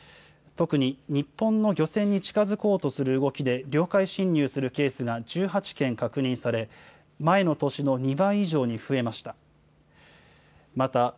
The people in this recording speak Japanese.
特に日本の漁船に近づこうとする動きで領海侵入するケースが１８件確認され、前の年の２倍以上に増えました。